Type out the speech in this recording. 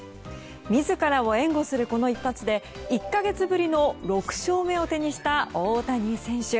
自らを援護するこの一発で１か月ぶりの６勝目を手にした大谷選手。